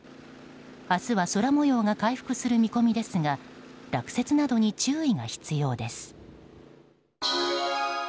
明日は空模様が回復する見込みですが落雪などに注意が必要です。